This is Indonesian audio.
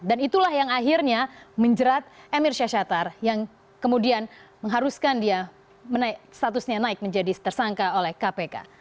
dan itulah yang akhirnya menjerat emir syah sattar yang kemudian mengharuskan dia statusnya naik menjadi tersangka oleh kpk